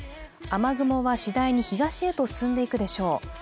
雨雲はしだいに東へと進んでいくでしょう。